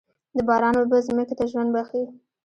د باران اوبه ځمکې ته ژوند بښي.